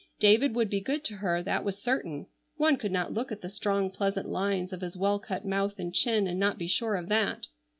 David would be good to her, that was certain. One could not look at the strong, pleasant lines of his well cut mouth and chin and not be sure of that.